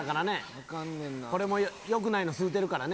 これも良くないの続いてるからね